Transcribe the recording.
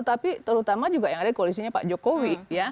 tapi terutama juga yang ada koalisinya pak jokowi